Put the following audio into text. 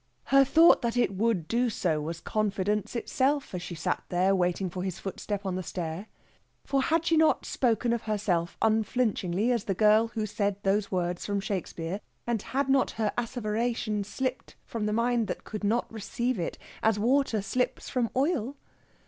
Her thought that it would do so was confidence itself as she sat there waiting for his footstep on the stair. For had she not spoken of herself unflinchingly as the girl who said those words from Shakespeare, and had not her asseveration slipped from the mind that could not receive it as water slips from oil?